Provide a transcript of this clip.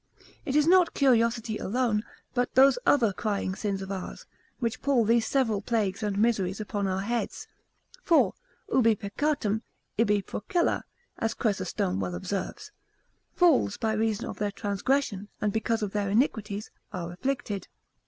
It is not curiosity alone, but those other crying sins of ours, which pull these several plagues and miseries upon our heads. For Ubi peccatum, ibi procella, as Chrysostom well observes. Fools by reason of their transgression, and because of their iniquities, are afflicted.